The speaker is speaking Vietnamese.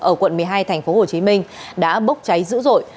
ở quận một mươi hai tp hcm đã bốc cháy dữ dội